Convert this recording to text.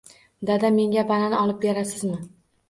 Dada, menga banan olib berasizmi?